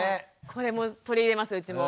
これも取り入れますうちも。